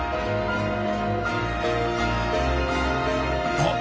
あっ。